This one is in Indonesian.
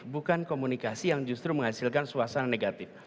bukan komunikasi yang justru menghasilkan suasana negatif